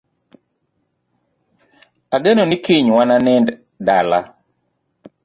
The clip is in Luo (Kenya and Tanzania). Ageno ni kiny wananind dala